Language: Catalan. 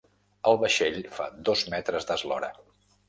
El vaixell fa dos metres d'eslora.